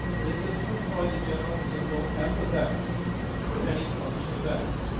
This is to employ the general symbol~$f(x)$ for any function of~$x$.